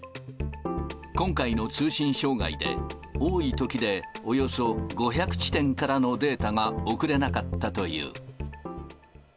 今回の通信障害で、多いときでおよそ５００地点からのデータが送れなかったという。